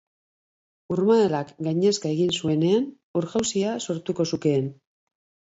Urmaelak gainezka egin zuenean ur-jauzia sortuko zukeen.